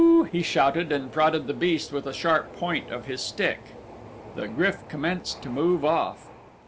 he shouted and prodded the beast with a sharp point of his stick. The GRYF commenced to move off.